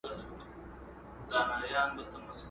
له ګنجي سره را ستون تر خپل دوکان سو٫